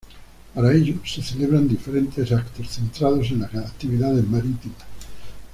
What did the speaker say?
Para ello se celebran diferentes eventos centrados en las actividades marítimas.